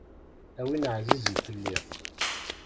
A win ɛzizen fell-i.